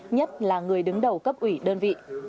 nhất là người đứng đầu cấp ủy đơn vị